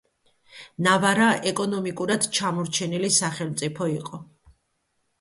ნავარა ეკონომიკურად ჩამორჩენილი სახელმწიფო იყო.